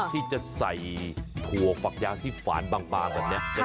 ที่จะใส่ถั่วฝั่กยาที่ฝาญบางนะ